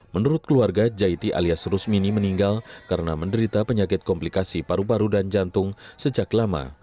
menurut keluarga jahiti alias rusmini meninggal karena menderita penyakit komplikasi paru paru dan jantung sejak lama